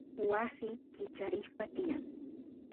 wasi kicharispa tiyan